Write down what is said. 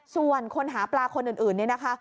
ส่วนคนหาปลาคนอื่นเนี่ยนะคะ